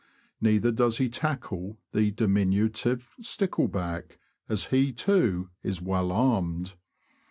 Neither does he tackle the diminutive stickle back, as he, too, is well armed.